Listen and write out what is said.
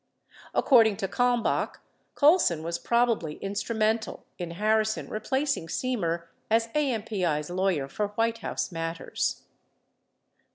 22 According to Kalmbach, Colson was probably instrumental in Harrison replacing Semer as AMPI's law yer for White House matters.